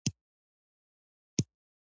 ناله او فریاد مې کاوه خو چا مې غږ نه اورېده.